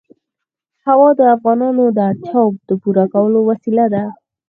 هوا د افغانانو د اړتیاوو د پوره کولو وسیله ده.